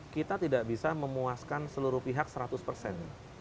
kita tidak bisa memuaskan seluruh pihak seratus persen